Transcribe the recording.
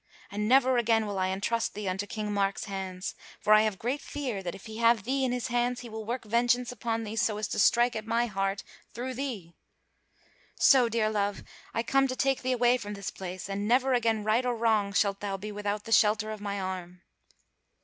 And never again will I entrust thee unto King Mark's hands; for I have great fear that if he have thee in his hands he will work vengeance upon thee so as to strike at my heart through thee. So, dear love, I come to take thee away from this place; and never again right or wrong, shalt thou be without the shelter of my arm."